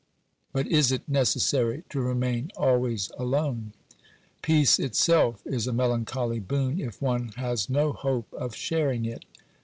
But is it necessary to remain always alone ? Peace itself is a melancholy boon if one has no hope of sharing it.